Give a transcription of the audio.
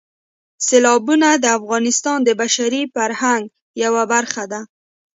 سیلابونه د افغانستان د بشري فرهنګ یوه برخه ده.